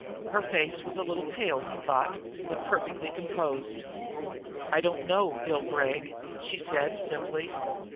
Her face was a little pale, he thought, but perfectly composed. "I don't know Bill Gregg," she said simply.